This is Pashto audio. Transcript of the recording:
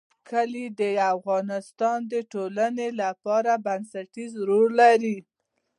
کلي د افغانستان د ټولنې لپاره بنسټيز رول لري.